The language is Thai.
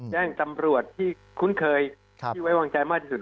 แจ้งตำรวจที่คุ้นเคยที่ไว้วางใจมากที่สุด